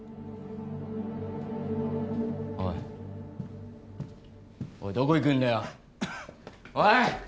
おいおいどこ行くんだよおい！